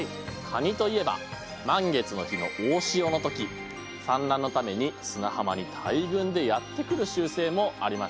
カニといえば満月の日の大潮の時産卵のために砂浜に大群でやってくる習性もありますよね。